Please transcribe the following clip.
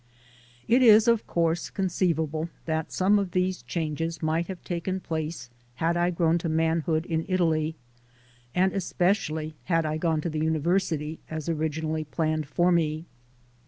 It is of course conceivable that some of these changes might have taken place had I grown to manhood in Italy, and especially had I gone to the University, as originally planned for me.